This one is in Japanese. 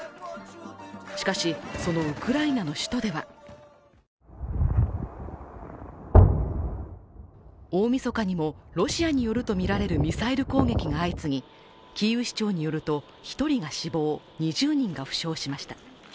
しかし、そのウクライナの首都では大みそかにもロシアによるとみられるミサイル攻撃が相次ぎ、キーウ市長によると１人が死亡、２０人が負傷しました。